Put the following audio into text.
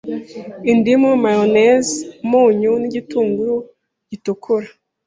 indimu, mayonezi, umunyu n’igitunguru gitukura